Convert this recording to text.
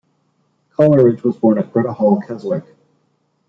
Coleridge was born at Greta Hall, Keswick.